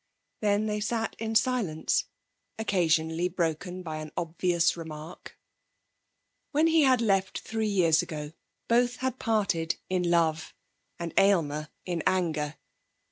Then they sat in silence, occasionally broken by an obvious remark. When he had left three years ago both had parted in love, and Aylmer in anger.